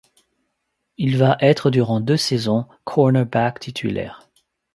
Il va être durant deux saisons, cornerback titulaire.